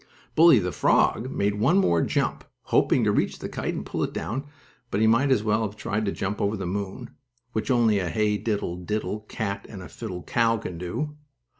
Bully, the frog, made one more jump, hoping to reach the kite, and pull it down, but he might as well have tried to jump over the moon, which only a hey diddle diddle cat and the fiddle cow can do.